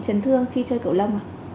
tránh thương khi chơi cầu lông à